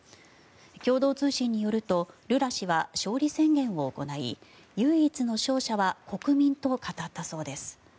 共同通信によるとルラ氏は勝利宣言を行い唯一の勝者は国民と語ったそうです。